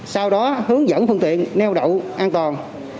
sau đó hướng dẫn phương tiện neo đậu an toàn